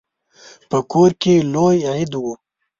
په کور کې لوی عید و.